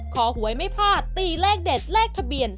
ขอหวยไม่พลาดตีเลขเด็ดแรกทะเบียน๔๕๓๑